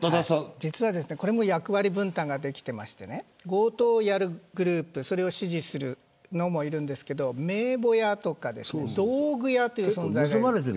実は、これも役割分担ができていて強盗をやるグループそれを指示をする人もいますが名簿屋とか道具屋という存在がいる。